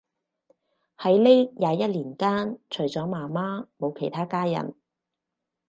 喺呢廿一年間，除咗媽媽冇其他家人